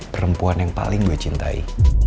perempuan yang paling gue cintai